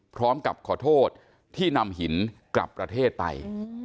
พร้อมกับขอโทษที่นำหินกลับประเทศไป